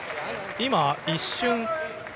今、一瞬。